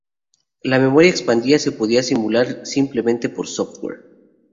La memoria expandida se podía simular simplemente por software.